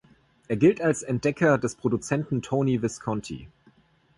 Er gilt als Entdecker des Produzenten Tony Visconti.